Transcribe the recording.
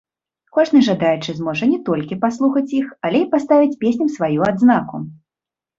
Кожны жадаючы зможа не толькі паслухаць іх, але і паставіць песням сваю адзнаку.